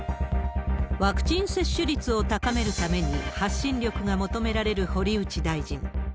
ワクチン接種率を高めるために、発信力が求められる堀内大臣。